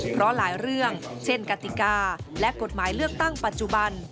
เพราะหลายเรื่องเช่นกติกาและกฎหมายเลือกตั้งปัจจุบัน